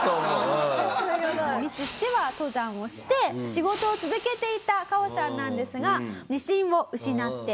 ミスしては登山をして仕事を続けていたカホさんなんですが自信を失って。